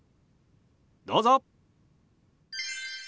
どうぞ！